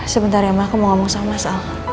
sebentar ya ma aku mau ngomong sama mas al